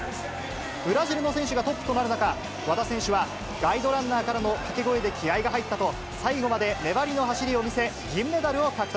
ブラジルの選手がトップとなる中、和田選手はガイドランナーからの掛け声で気合いが入ったと、最後まで粘りの走りを見せ、銀メダルを獲得。